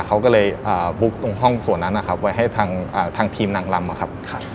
เขาก็เลยบุ๊กตรงห้องส่วนนั้นนะครับไว้ให้ทางทีมนางลำนะครับ